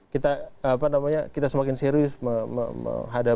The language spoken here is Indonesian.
kita apa namanya kita semakin serius kita bisa menunjukkan berbagai cara